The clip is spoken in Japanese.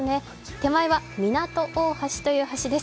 手前は港大橋という橋です。